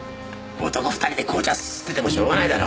男２人で紅茶すすっててもしょうがないだろう。